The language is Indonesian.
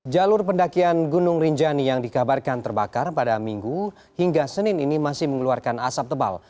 jalur pendakian gunung rinjani yang dikabarkan terbakar pada minggu hingga senin ini masih mengeluarkan asap tebal